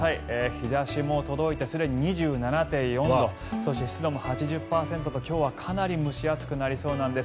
日差しも届いてすでに２７．４度そして湿度も８０％と今日はかなり蒸し暑くなりそうなんです。